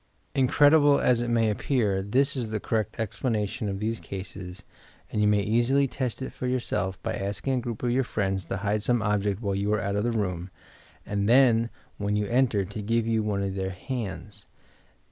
Incredible as it may appear, this is the correct explanation of these cases, and you may easily test it for yourself by asking a PHYSICAL PHENOMENA 321 group of your friends to hide some object while you are out of the room, and then, when you enter, to give you one of their hands.